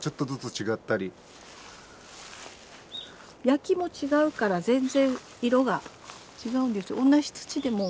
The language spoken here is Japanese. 焼きも違うから全然色が違うんです。